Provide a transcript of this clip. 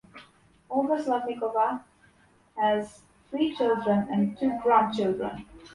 Olga Slavnikova has three children and two grandchildren.